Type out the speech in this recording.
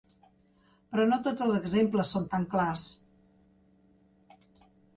Però no tots els exemples són tan clars.